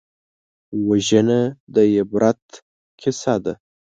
وژنه د عبرت کیسه ده